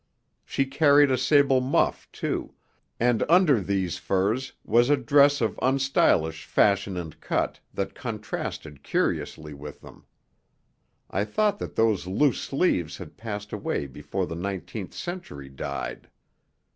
She carried a sable muff, too, and under these furs was a dress of unstylish fashion and cut that contrasted curiously with them. I thought that those loose sleeves had passed away before the nineteenth century died.